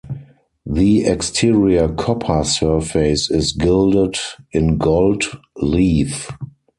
The exterior copper surface is gilded in gold leaf.